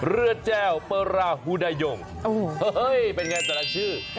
เรือแจ้วประหุดายงโอ้โหเฮ้ยเป็นไงแต่ละชื่อ